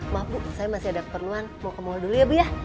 maaf bu saya masih ada keperluan mau ke mall dulu ya bu ya